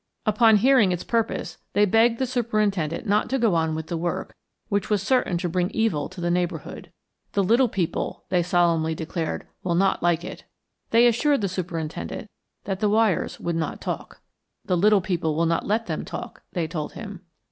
Upon hearing its purpose, they begged the superintendent not to go on with the work, which was certain to bring evil to the neighborhood. "The little people," they solemnly declared, "will not like it." They assured the superintendent that the wires would not talk. "The little people will not let them talk," they told him.